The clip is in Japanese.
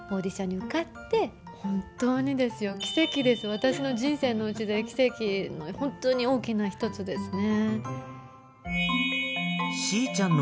私の人生のうちで奇跡の本当に大きな１つですね。